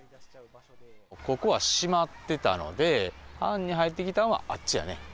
ここは閉まってたので、犯人入ってきたんは、あっちやね。